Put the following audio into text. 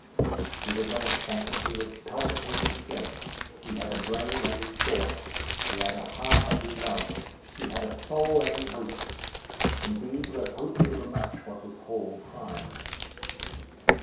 He was not a phantom. He was palpitating flesh. He had a brain, and he thought; he had a heart, and he loved; he had a soul, and he hoped. Indeed, to have hoped overmuch was his whole crime.